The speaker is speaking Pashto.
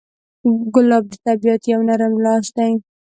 ګلاب د طبیعت یو نرم لاس دی.